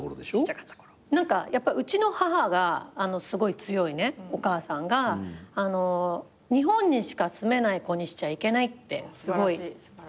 何かやっぱうちの母がすごい強いお母さんが日本にしか住めない子にしちゃいけないってすごい言ってて。